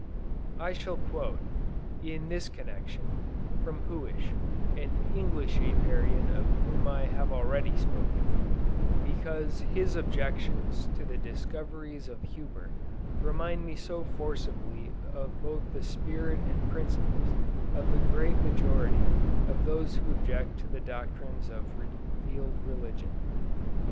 I shall quote, in this connection, from Huish, an English Apiarian of whom I have already spoken, because his objections to the discoveries of Huber, remind me so forcibly of both the spirit and principles of the great majority of those who object to the doctrines of revealed religion.